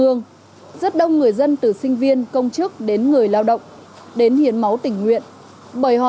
lương rất đông người dân từ sinh viên công chức đến người lao động đến hiến máu tình nguyện bởi họ